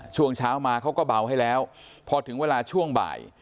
ช่วงเช้ามาเขาก็เบาให้แล้วพอถึงเวลาช่วงบ่าย